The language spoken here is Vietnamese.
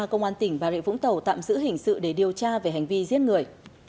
công an tỉnh bà rịa vũng tàu tạm giữ hình sự để điều tra về hành vi giết người